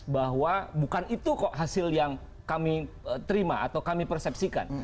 bahwa bukan itu kok hasil yang kami terima atau kami persepsikan